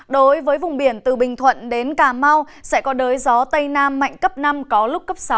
đối với vùng biển từ bình thuận đến cà mau sẽ có đới gió tây nam mạnh cấp năm có lúc cấp sáu